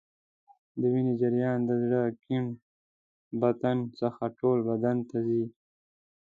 د وینې جریان د زړه کیڼ بطن څخه ټول بدن ته ځي.